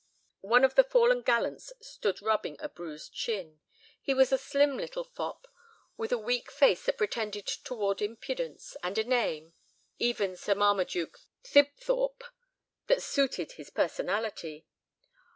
One of the fallen gallants stood rubbing a bruised shin. He was a slim little fop with a weak face that pretended toward impudence, and a name—even Sir Marmaduke Thibthorp—that suited his personality.